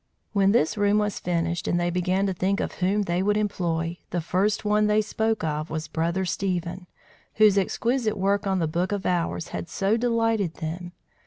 When this room was finished, and they began to think of whom they would employ, the first one they spoke of was Brother Stephen, whose exquisite work on the book of hours had so delighted them.